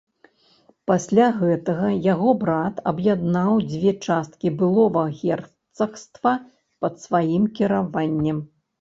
Пасля гэтага яго брат аб'яднаў дзве часткі былога герцагства пад сваім кіраваннем.